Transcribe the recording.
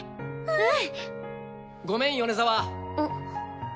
うん！